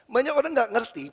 banyak orang tidak mengerti